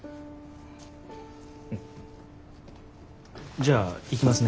じゃあ行きますね。